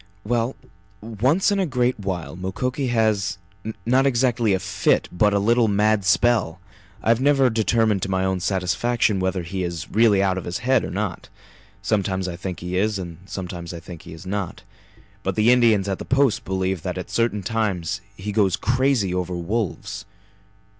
"Well, once in a great while Mukoki has not exactly a fit, but a little mad spell! I have never determined to my own satisfaction whether he is really out of his head or not. Sometimes I think he is and sometimes I think he is not. But the Indians at the Post believe that at certain times he goes crazy over wolves."